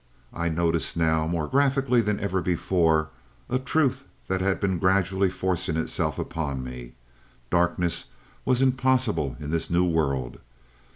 I noticed now, more graphically than ever before, a truth that had been gradually forcing itself upon me. Darkness was impossible in this new world.